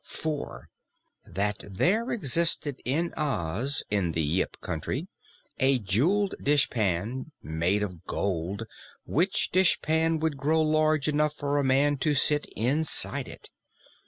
(4) That there existed in Oz in the Yip Country a jeweled dishpan made of gold, which dishpan would grow large enough for a man to sit inside it.